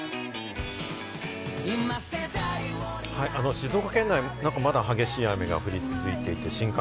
静岡県内、まだ激しい雨が降り続いています。